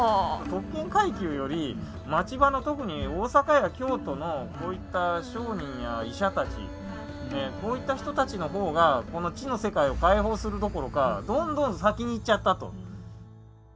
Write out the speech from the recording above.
特権階級より町場の特に大阪や京都のこういった商人や医者たちこういった人たちの方がこの知の世界を解放するどころかどんどん先に行っちゃったと。